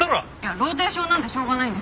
ローテーションなのでしょうがないんです。